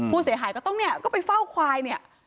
ผู้เสียหายก็ต้องไปเฝ้าควาย